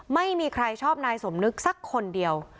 ไม่มีใครชอบนายสมนึกสักคนเดียว